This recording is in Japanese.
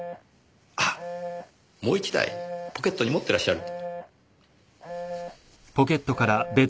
あっもう一台ポケットに持ってらっしゃる？